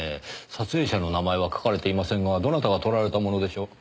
撮影者の名前は書かれていませんがどなたが撮られたものでしょう？